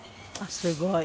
すごい。